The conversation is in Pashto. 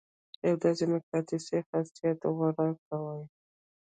يو داسې مقناطيسي خاصيت غوره کوي.